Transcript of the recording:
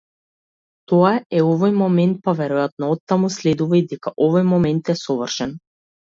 Тоа е овој момент-па веројатно оттаму следува и дека овој момент е совршен.